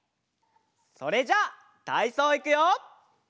それじゃたいそういくよ！